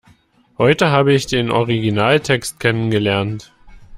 Heute habe ich den Originaltext kennengelernt.